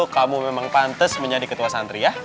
kamu memang pantas menjadi ketua sandri ya